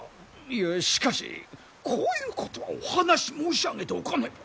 いやしかしこういうことはお話し申し上げておかねば。